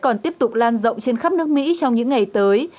còn tiếp tục lan rộng trên khắp nước mỹ trong những ngày tới